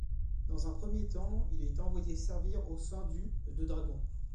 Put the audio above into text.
Dans un premier temps, il est envoyé servir au sein du de dragons.